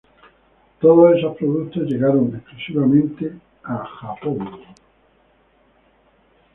Todos esos productos llegaron exclusivamente a Japón.